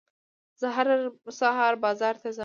زه هر سهار بازار ته ځم.